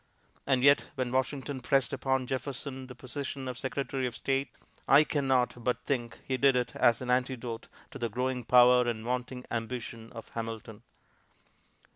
And yet, when Washington pressed upon Jefferson the position of Secretary of State, I can not but think he did it as an antidote to the growing power and vaunting ambition of Hamilton.